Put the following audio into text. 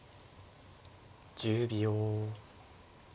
１０秒。